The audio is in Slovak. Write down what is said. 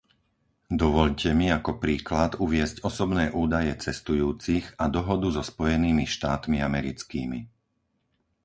Dovoľte mi ako príklad uviesť osobné údaje cestujúcich a dohodu so Spojenými štátmi americkými.